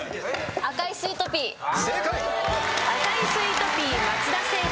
『赤いスイートピー』正解。